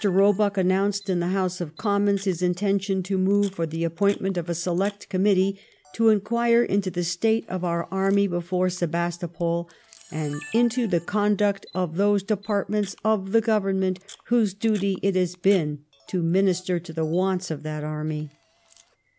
Roebuck announced in the House of Commons his intention to move for the appoint ment of a Select Committee to inquire into the state of our army before Sebastopol, and "into the conduct of those departments of the Government whose duty it has been to minister to the wants of that army."